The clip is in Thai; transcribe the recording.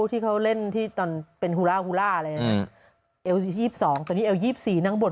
ที่เขาเล่นที่ตอนเป็นฮูล่าฮูล่าอะไรนะเอวสิ๒๒ตอนนี้เอว๒๔นั่งบน